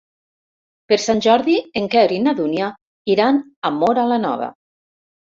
Per Sant Jordi en Quer i na Dúnia iran a Móra la Nova.